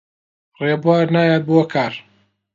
ڕێبوار نایەت بۆ کار.